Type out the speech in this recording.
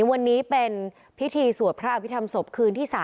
วันนี้เป็นพิธีสวดพระอภิษฐรรมศพคืนที่๓